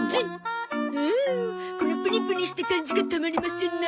このプニプニした感じがたまりませんな。